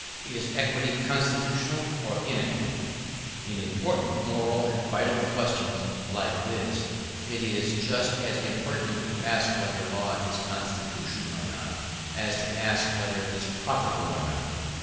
Is equity constitutional, or iniquity? In important moral and vital questions, like this, it is just as impertinent to ask whether a law is constitutional or not, as to ask whether it is profitable or not.